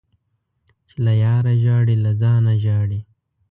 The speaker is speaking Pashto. چي له ياره ژاړې ، له ځانه ژاړې.